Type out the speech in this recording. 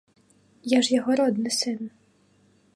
Я ж яго родны сын.